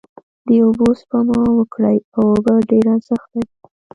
داوبوسپما وکړی او اوبه ډیر ارښت لری